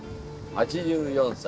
８４歳。